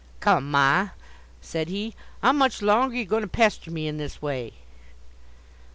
"Come, ma," said he; "how much longer ye goin' to pester me in this way?"